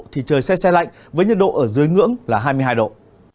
thì trời sẽ sẽ lạnh với nhiệt độ ở dưới ngưỡng là hai mươi hai độ